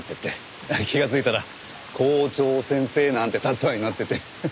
気がついたら校長先生なんて立場になってて。